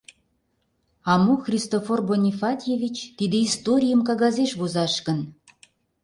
— А мо, Христофор Бонифатьевич, тиде историйым кагазеш возаш гын?